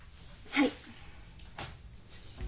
はい。